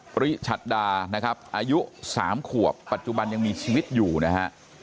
ปริชัดดานะครับอายุ๓ขวบปัจจุบันยังมีชีวิตอยู่นะฮะ